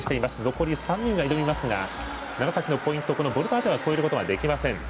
残り３人が挑みますが楢崎のポイント、ボルダーでは超えることはできません。